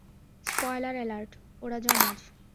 Spoiler alert, ওরা জমজ।